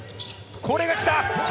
これが来た！